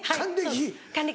還暦？